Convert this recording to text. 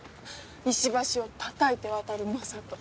石橋を叩いて渡る雅人。